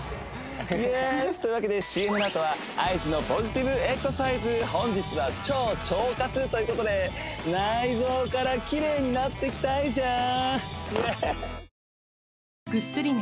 イエスというわけでＣＭのあとはＩＧのポジティブエクササイズ本日は超腸活ということで内臓からきれいになってきたいじゃん